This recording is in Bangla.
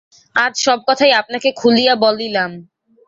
আজ সব কথাই আপনাকে খুলিয়া বলিলাম।